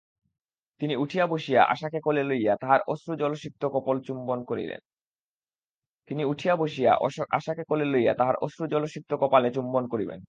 তিনি উঠিয়া বসিয়া আশাকে কোলে লইয়া তাহার অশ্রুজলসিক্ত কপোল চুম্বন করিলেন।